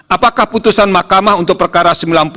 apakah putusan mahkamah untuk perkara sembilan puluh